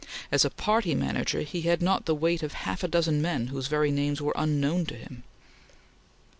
As a party manager he had not the weight of half a dozen men whose very names were unknown to him.